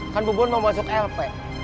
kan bubun mau masuk lp